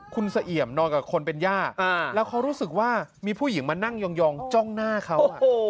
คุณเสี่ยมนอนกับคนเป็นย่าแล้วเขารู้สึกว่ามีผู้หญิงมานั่งยองจ้องหน้าเขา